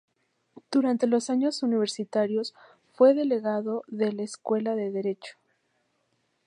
Durante los años universitarios fue delegado de la Escuela de Derecho.